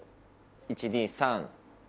１・２・３。